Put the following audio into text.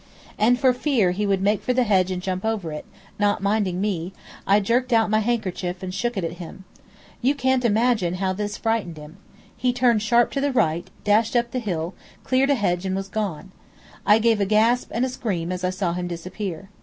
And for fear he would make for the hedge and jump over it, not minding me, I jerked out my handkerchief and shook it at him. You can't imagine how this frightened him. He turned sharp to the right, dashed up the hill, cleared a hedge and was gone. I gave a gasp and a scream as I saw him disappear.